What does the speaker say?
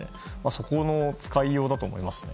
そこの使いようだと思います。